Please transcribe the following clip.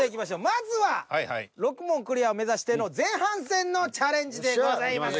まずは６問クリアを目指しての前半戦のチャレンジでございます。